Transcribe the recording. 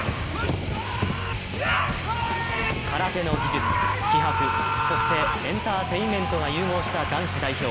空手の技術、気迫そしてエンターテイメントが融合した男子代表